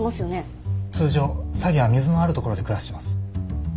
通常サギは水のある所で暮らしてます。